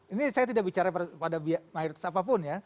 ini saya tidak bicara pada mayoritas apapun ya